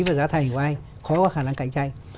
và giá thành của ai khó có khả năng cạnh tranh